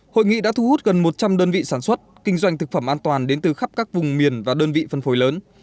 hội nghị đã thu hút gần một trăm linh đơn vị sản xuất kinh doanh thực phẩm an toàn đến từ khắp các vùng miền và đơn vị phân phối lớn